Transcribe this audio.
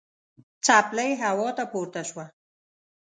څپلۍ هوا ته پورته شوه.